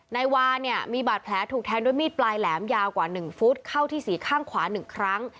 นายวาเนี่ยมีบาดแผลถูกแทงด้วยมีดปลายแหลมยาวกว่า๑ฟุตเข้าที่สีข้างขวา๑ครั้ง